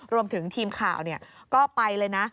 รวมถึงทีมข่าวก็ไปเลยนะ